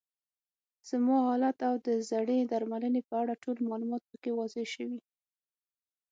زما حالت او د زړې درملنې په اړه ټول معلومات پکې واضح شوي.